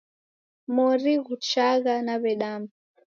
Mori ghuchagha nawedamba